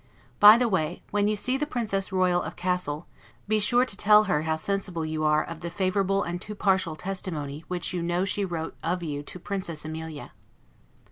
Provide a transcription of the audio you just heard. By the way, when you see the Princess Royal of Cassel, be sure to tell her how sensible you are of the favorable and too partial testimony, which you know she wrote of you to Princess Amelia.